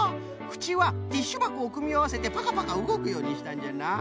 くちはティッシュばこをくみあわせてパカパカうごくようにしたんじゃな。